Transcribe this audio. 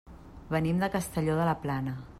Venim de Castelló de la Plana.